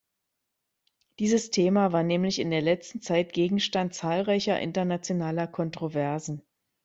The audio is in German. Dieses Thema war nämlich in der letzten Zeit Gegenstand zahlreicher internationaler Kontroversen.